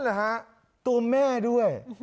นั่นแหละฮะตัวแม่ด้วย